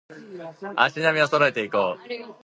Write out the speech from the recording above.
足並み揃えていこう